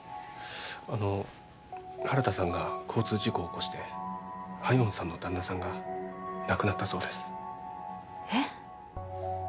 あの原田さんが交通事故を起こして夏英さんの旦那さんが亡くなったそうですえっ！？